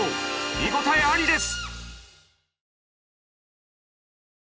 見応えありです。